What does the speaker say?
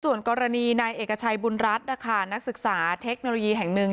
ส่วนกรณีนายเอกชัยบุญรัฐนะคะนักศึกษาเทคโนโลยีแห่งหนึ่ง